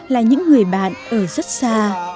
là những người bạn ở rất xa